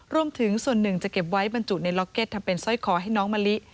รวมถึงส่วนหนึ่งจะเก็บไว้บรรจุในล็อกเก็ตทำเป็นสร้อยคอให้น้องมะลิ